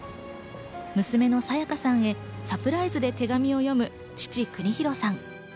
娘の沙華さんへ、サプライズで手紙を読む父・国博さん。